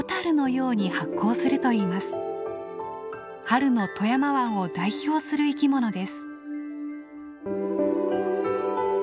春の富山湾を代表する生きものです。